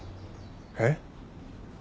えっ？